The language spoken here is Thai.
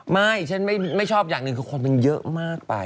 ไม่ฉันไม่ชอบอย่างหนึ่งคือคนมันเยอะมากไป